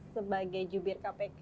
sebagai jubir kpk